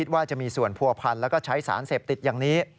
ว่าจะมีส่วนผัวพันธ์แล้วก็ใช้สารเสพติดอย่างนี้